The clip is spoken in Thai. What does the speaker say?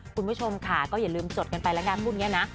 คุณผู้ชมค่าก็อย่าลืมจดกันไปนะคะพวกนี้นะ